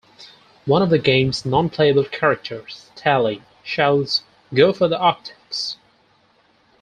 One of the game's non-playable characters, Tali, shouts Go for the optics!